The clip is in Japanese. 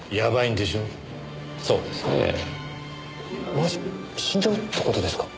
マジ死んじゃうって事ですか？